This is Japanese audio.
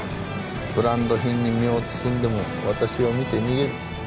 ブランド品に身を包んでも私を見て逃げる。